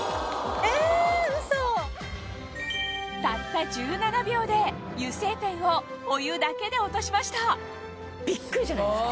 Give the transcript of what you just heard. たった１７秒で油性ペンをお湯だけで落としましたビックリじゃないですか？